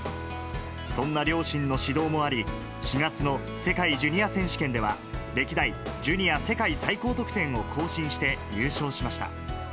そんな両親の指導もあり、４月の世界ジュニア選手権では、歴代ジュニア世界最高得点を更新して、優勝しました。